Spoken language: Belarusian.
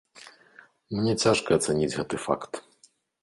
Мне цяжка ацаніць гэты факт.